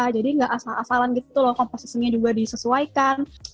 jadi nggak asalan gitu loh komposisinya juga disesuaikan